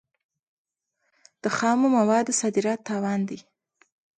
د خامو موادو صادرات تاوان دی.